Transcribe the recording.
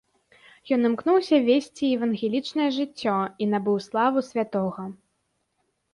Ён імкнуўся весці евангелічнае жыццё і набыў славу святога.